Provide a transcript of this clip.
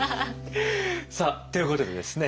さあということでですね